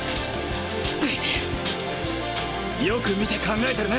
よく見て考えてるね。